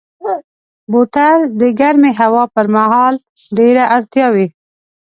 بوتل د ګرمې هوا پر مهال ډېره اړتیا وي.